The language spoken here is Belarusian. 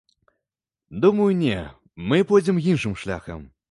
Думаю, не, мы пойдзем іншым шляхам.